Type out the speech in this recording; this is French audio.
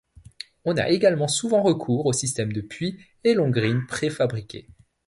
On a également souvent recours au système de puits et longrines préfabriquées.